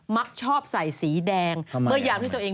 มักชอบใส่สีแดง